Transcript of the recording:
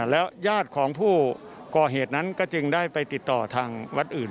แล้วญาติของผู้ก่อเหตุนั้นก็จึงได้ไปติดต่อทางวัดอื่น